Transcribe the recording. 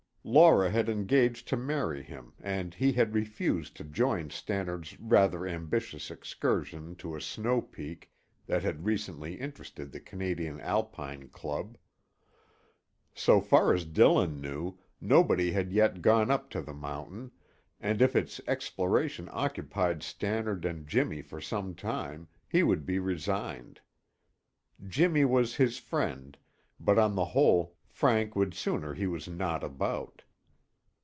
Laura had engaged to marry him and he had refused to join Stannard's rather ambitious excursion to a snow peak that had recently interested the Canadian Alpine Club. So far as Dillon knew, nobody had yet got up the mountain, and if its exploration occupied Stannard and Jimmy for some time, he would be resigned. Jimmy was his friend, but on the whole Frank would sooner he was not about.